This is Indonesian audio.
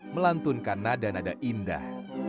melantunkan nada nada indah